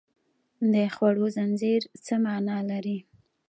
د خوړو زنځیر څه مانا لري